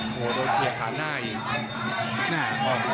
โห้โถเหี้ยขาดหน้าอีก